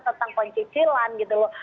tentang pencicilan gitu loh